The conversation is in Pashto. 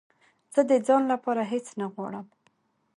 زه د ځان لپاره هېڅ نه غواړم